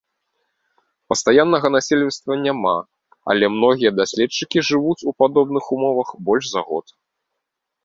Пастаяннага насельніцтва няма, але многія даследчыкі жывуць у падобных умовах больш за год.